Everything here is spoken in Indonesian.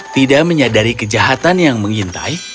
tidak menyadari kejahatan yang mengintai